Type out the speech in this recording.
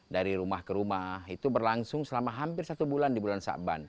dari rumah ke rumah itu berlangsung selama hampir satu bulan di bulan syakban